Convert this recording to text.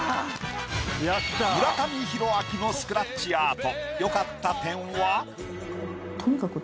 村上弘明のスクラッチアート。